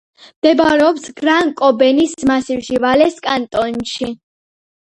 მდებარეობს გრან-კომბენის მასივში, ვალეს კანტონში.